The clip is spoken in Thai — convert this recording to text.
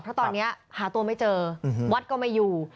เพราะตอนนี้หาตัวไม่เจอวัดก็ไม่อยู่